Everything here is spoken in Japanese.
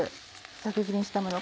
ざく切りにしたもの